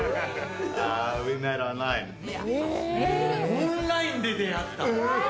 オンラインで出会った？